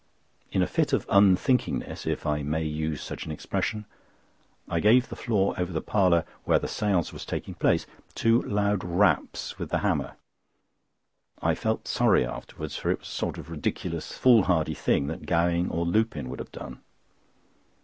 In a fit of unthinkingness—if I may use such an expression,—I gave the floor over the parlour, where the séance was taking place, two loud raps with the hammer. I felt sorry afterwards, for it was the sort of ridiculous, foolhardy thing that Gowing or Lupin would have done.